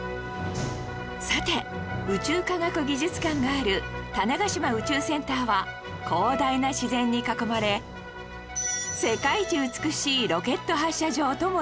さて宇宙科学技術館がある種子島宇宙センターは広大な自然に囲まれ世界一美しいロケット発射場ともいわれています